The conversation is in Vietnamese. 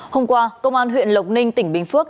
hôm qua công an huyện lộc ninh tỉnh bình phước